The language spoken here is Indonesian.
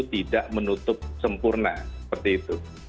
tidak menutup sempurna seperti itu